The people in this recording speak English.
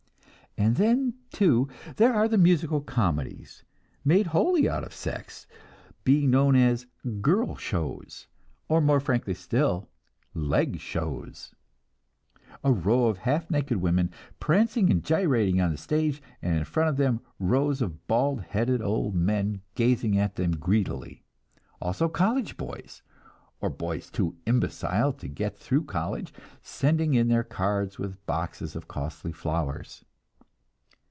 And then, too, there are the musical comedies, made wholly out of sex, being known as "girl shows," or more frankly still, "leg shows." A row of half naked women, prancing and gyrating on the stage, and in front of them rows of bald headed old men, gazing at them greedily; also college boys, or boys too imbecile to get through college, sending in their cards with boxes of costly flowers.